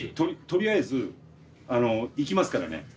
とりあえず行きますからね。